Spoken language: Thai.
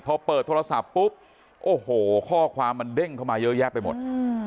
พอเปิดโทรศัพท์ปุ๊บโอ้โหข้อความมันเด้งเข้ามาเยอะแยะไปหมด